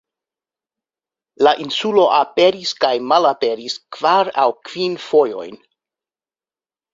La insulo aperis kaj malaperis kvar aŭ kvin fojojn.